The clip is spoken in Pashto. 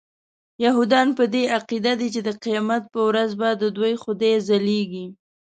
یهودان په دې عقیده دي چې د قیامت په ورځ به ددوی خدای ځلیږي.